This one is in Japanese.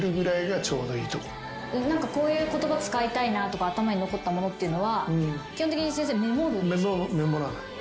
こういう言葉使いたいなとか頭に残ったものっていうのは基本的に先生メモるんですか？